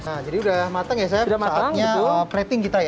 nah jadi udah matang ya saya saatnya plating kita ya